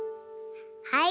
はい。